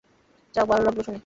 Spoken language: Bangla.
যাক, ভালো লাগল শুনে।